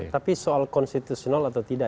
tapi soal konstitusional atau tidak